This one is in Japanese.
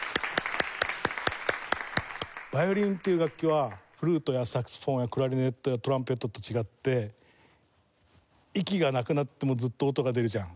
ヴァイオリンっていう楽器はフルートやサクソフォンやクラリネットやトランペットと違って息がなくなってもずっと音が出るじゃん。